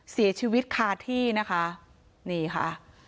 เสียชีวิตคาที่นะคะนี่ค่ะ